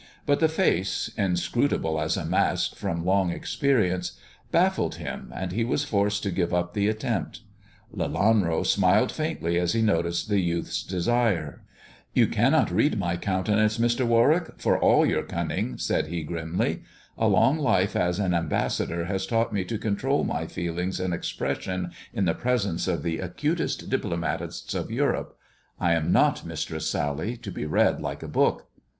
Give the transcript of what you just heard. But the face, inscrutable as a mask from long experience, baffled him, and he was forced to give '^P the attempt. Lelanro smiled faintly as he noticed the youth's desire. You cannot read my countenance, Mr. Warwick, for 3 11 your cunning," said he grimly. " A long life as an ^ mbassador has taught me to control my feelings and ^^pression in the presence of the acutest diplomatists of *^^irope. I am not Mistress Sally, to be read like a book."